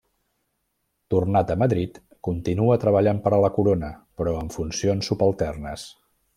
Tornat a Madrid, continua treballant per a la Corona, però en funcions subalternes.